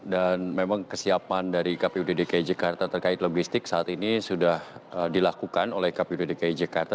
dan memang kesiapan dari kpu dki jakarta terkait logistik saat ini sudah dilakukan oleh kpu dki jakarta